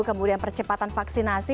kemudian percepatan vaksinasi